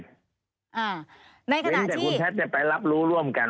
เห็นแต่คุณแพทย์ไปรับรู้ร่วมกัน